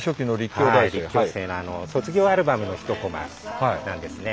卒業アルバムの一コマなんですね。